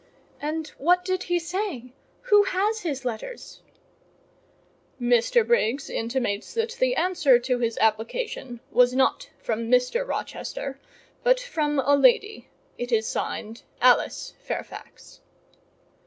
"And what did he say? Who has his letters?" "Mr. Briggs intimates that the answer to his application was not from Mr. Rochester, but from a lady: it is signed 'Alice Fairfax.